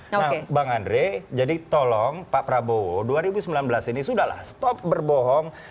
nah bang andre jadi tolong pak prabowo dua ribu sembilan belas ini sudah lah stop berbohong